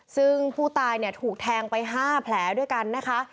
ซึ่งผู้ตายถูกแทงไปห้าแผลด้วยกันนะคะ